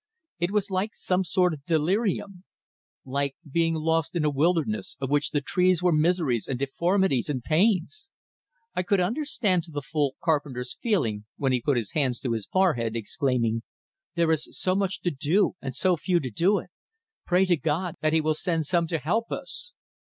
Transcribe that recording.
It was like some sort of delirium; like being lost in a wilderness, of which the trees were miseries, and deformities, and pains! I could understand to the full Carpenter's feeling when he put his hands to his forehead, exclaiming: "There is so much to do and so few to do it! Pray to God, that he will send some to help us!"